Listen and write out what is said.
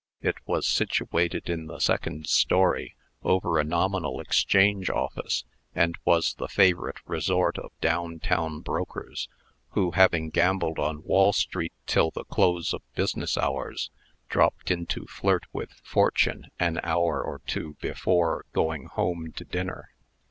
It was situated in the second story, over a nominal exchange office, and was the favorite resort of down town brokers, who, having gambled on Wall street till the close of business hours, dropped in to flirt with Fortune an hour or two before going home to dinner.